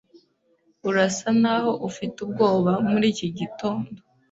Urasa naho ufite ubwoba muri iki gitondo.